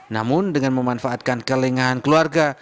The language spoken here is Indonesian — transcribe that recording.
namun dengan memanfaatkan kelengahan keluarga